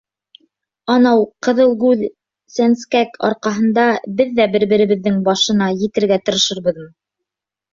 — Анау ҡыҙылгүҙ сәнскәк арҡаһында беҙ ҙә бер-беребеҙҙең башына етергә тырышырбыҙмы?